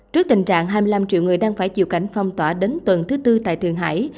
trước tình trạng hai mươi năm triệu người đang phải chịu cảnh phong tỏa đến tuần thứ tư tại thượng hải